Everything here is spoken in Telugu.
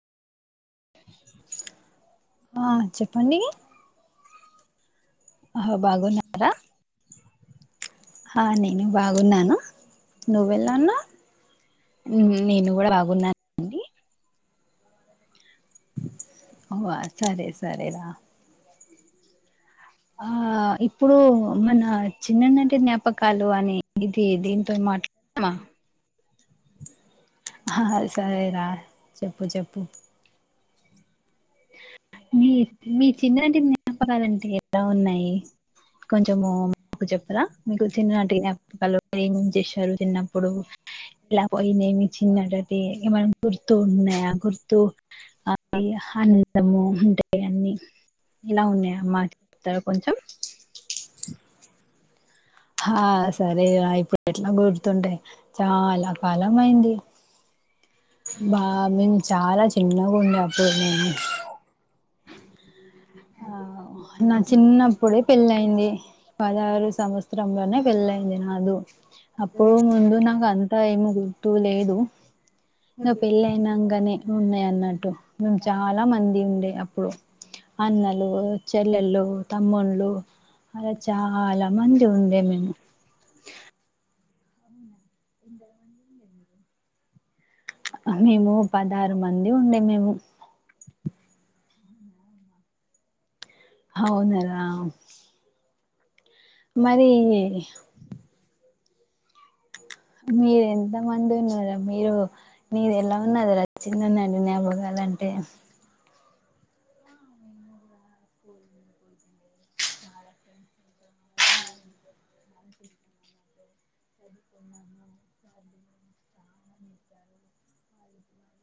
ఆ చెప్పండి అ హ్ బాగున్నారా ఆ నేను బాగున్నాను మ్మ్ నేను కూడా బాగున్నా ఓహ సరే సరే రా ఆ ఇప్పుడు మన చిన్ననాటి జ్ఞాపకాలు అని ఇది దీంతో మాట్లాడదామా ఆ హా సరే రా చెప్పు చెప్పు మీ మీ చిన్ననాటి జ్ఞాపకాలన్ ఎలా ఉన్నాయి కొంచము మాకు చెప్ రా మీకు చిన్ననాటి జ్ఞాపకాలు ఏమేమి చేసారు చిన్నప్పుడు, ఇలా పోయిందేమి చిన్ననాటి ఏమైనా గుర్తు ఉన్నాయా గుర్తు ఆవి అందము. ఉంటాయి అన్ని ఇలా ఉన్నాయ అమ్మా చెప్తారు కొంచెం ఆ సరే రా ఇప్పుడు ఎట్లా గుర్తుంటాయి చాలా కాలం అయింది బా మేము చాలా చిన్నగా ఉండే అప్పుడు మేము ఆ నా చిన్నప్పుడే పెళ్ళయింది పదహారు సంవత్సరంలోనే పెళ్ళయింది నాదు అప్పుడు ముందు నాకు అంతా ఏమి గుర్తు లేదు ఇ పెళ్ళి అయినాంకనే ఉన్నాయి అన్నట్టు మేము చాలా మంది ఉండే అప్ ఇప్పుడు అన్నలు చెల్లెళ్లు తమ్ముళ్లు అలా చాలా మంది ఉండే మేము మేము పదహారు మంది ఉండే మేము అవునా రా మరి మీర ఎంత మంది ఉన్నారా మీరు నీది ఎలా ఉన్నద రా చిన్ననాటి జ్ఞాపకాలంటే